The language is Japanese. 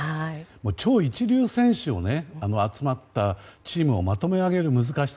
超一流選手が集まったチームをまとめ上げる大変さ